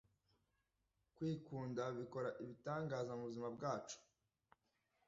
kwikunda bikora ibitangaza mubuzima bwacu - l hay